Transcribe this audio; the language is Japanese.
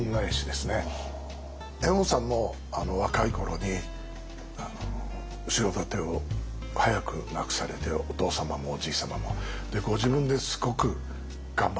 猿翁さんも若い頃に後ろ盾を早く亡くされてお父様もおじい様もご自分ですごく頑張ってらっしゃったんですね。